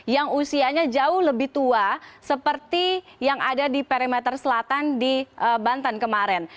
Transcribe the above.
yang usianya jauh lebih tua seperti yang ada di perimeter selatan di banten kemarin